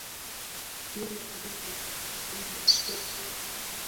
Imba wimbo tunapenda sote